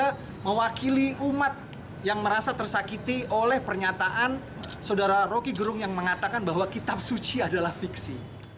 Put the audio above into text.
mereka mewakili umat yang merasa tersakiti oleh pernyataan saudara rocky gerung yang mengatakan bahwa kitab suci adalah fiksi